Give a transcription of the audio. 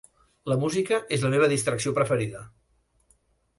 La música és la meva distracció preferida.